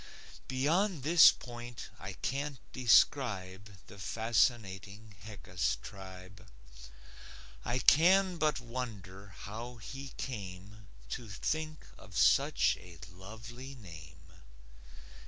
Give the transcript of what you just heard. Beyond this point I can't describe The fascinating Heckus tribe. I can but wonder how he came To think of such a lovely name.